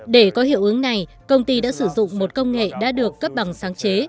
để có hiệu ứng này công ty đã sử dụng một công nghệ đã được cấp bằng sáng chế